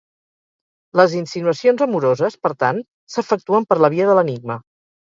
Les insinuacions amoroses, per tant, s'efectuen per la via de l'enigma.